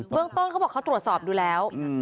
เรื่องต้นเขาบอกเขาตรวจสอบดูแล้ว